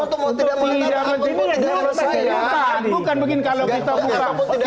untuk mau tidak mengatakan apa pun tidak ada di situ tadi